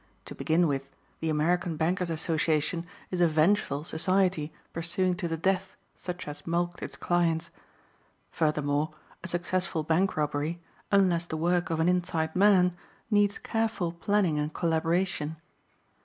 To begin with the American Bankers' Association is a vengeful society pursuing to the death such as mulct its clients. Furthermore, a successful bank robbery, unless the work of an inside man, needs careful planning and collaboration.